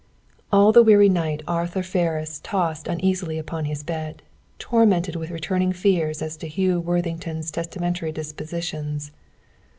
All the weary night Arthur Ferris tossed uneasily upon his bed, tormented with returning fears as to Hugh Worthington's testamentary dispositions.